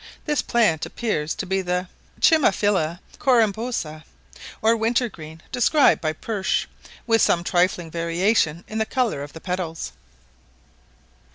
This plant appears to be the Chimaphila corymbosa, or winter green, described by Pursh, with some trifling variation in the colour of the petals.